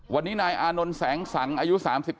วันนี้นายอานนท์แสงสังอายุ๓๙